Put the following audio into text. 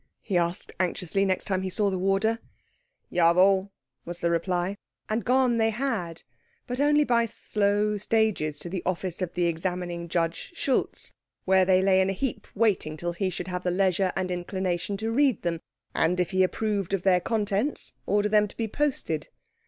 he asked anxiously, next time he saw the warder. "Jawohl," was the reply. And gone they had, but only by slow stages to the office of the Examining Judge Schultz, where they lay in a heap waiting till he should have leisure and inclination to read them, and, if he approved of their contents, order them to be posted.